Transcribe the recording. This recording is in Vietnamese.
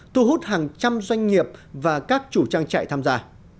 thu hút hàng trăm doanh nghiệp và các chủ trang trại tham gia